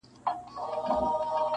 قدم وهلو ته تللی وم -